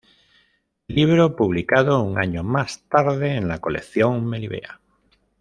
Libro publicado un año más tarde en la Colección Melibea.